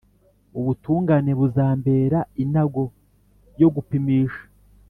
Ubutungane buzambera inago yo gupimisha,